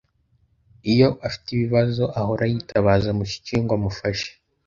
Iyo afite ibibazo, ahora yitabaza mushiki we ngo amufashe.